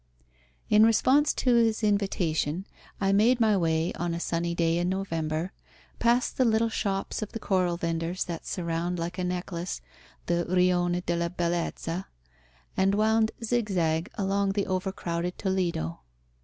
In response to his invitation, I made my way, on a sunny day in November, past the little shops of the coral vendors that surround, like a necklace, the Rione de la Bellezza, and wound zigzag along the over crowded Toledo.